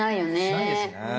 しないですね。